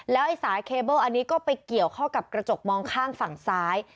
ไอ้สายเคเบิ้ลอันนี้ก็ไปเกี่ยวเข้ากับกระจกมองข้างฝั่งซ้าย